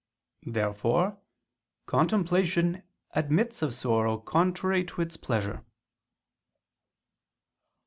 Therefore contemplation admits of sorrow contrary to its pleasure.